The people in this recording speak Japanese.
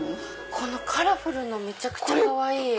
このカラフルのめちゃくちゃかわいい！